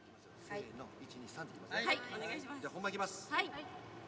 では本番いきます！